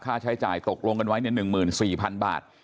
ค่าใช้จ่ายตกลงกันไว้๑๔๐๐๐บาท